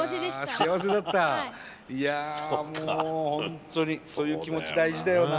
いやもう本当にそういう気持ち大事だよな。